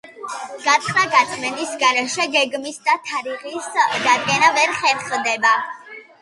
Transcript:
გათხრა-გაწმენდის გარეშე გეგმის და თარიღის დადგენა ვერ ხერხდება.